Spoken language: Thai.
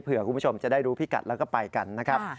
คุณผู้ชมจะได้รู้พิกัดแล้วก็ไปกันนะครับ